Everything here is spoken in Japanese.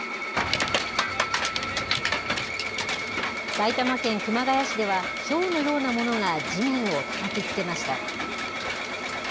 埼玉県熊谷市では、ひょうのようなものが地面をたたきつけました。